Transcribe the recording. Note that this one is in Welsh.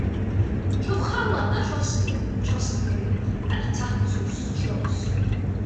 Rhowch halan a rhosmari ar y tatws rhost.